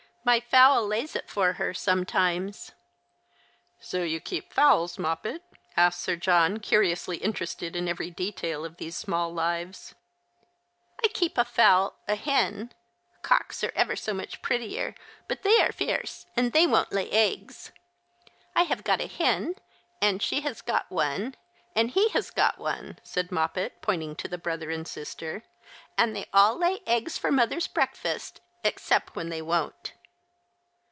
My fowl lays it for her, sometimes." " So you keep fowls, Moppet ?" asked Sir John, curiously interested in every detail of these small lives. " I keep a fowl — a hen ; cocks are ever so much prettier, but they are fierce, and they won't lay eggs. I have got a hen, and she has got one, and he has got one," said Moppet, pointing to the brother and sister, "and they all lay eggs for mother's breakfast, except when they won't."